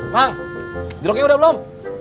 bang jodohnya udah belum